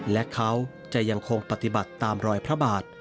และเขาจะยังคงปฏิบัติตามรอยพระบาท